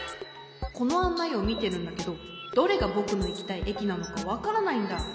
このあんないをみてるんだけどどれがぼくのいきたいえきなのかわからないんだ。